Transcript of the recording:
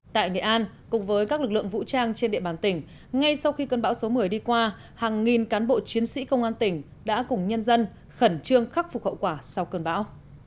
tại nghệ an cùng với các lực lượng vũ trang trên địa bàn tỉnh ngay sau khi cơn bão số một mươi đi qua hàng nghìn cán bộ chiến sĩ công an tỉnh đã cùng nhân dân khẩn trương khắc phục hậu quả sau cơn bão